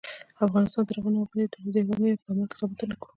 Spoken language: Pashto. افغانستان تر هغو نه ابادیږي، ترڅو د هیواد مینه په عمل کې ثابته نکړو.